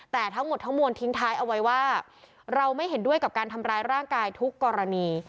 แต่ทั้งหมดทั้งมวลทิ้งท้ายเอาไว้ว่าเราไม่เห็นด้วยกับการทำร้ายร่างกายทุกกรณี